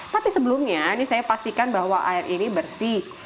tapi sebelumnya ini saya pastikan bahwa air ini bersih